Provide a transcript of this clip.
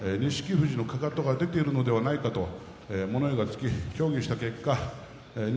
富士のかかとが出ているのではないかと物言いがつき、協議した結果錦